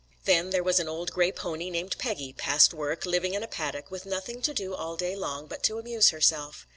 Then there was an old gray pony named Peggy, past work, living in a paddock, with nothing to do all day long but to amuse herself.